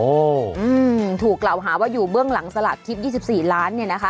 อืมถูกกล่าวหาว่าอยู่เบื้องหลังสลากทิพย์๒๔ล้านเนี่ยนะคะ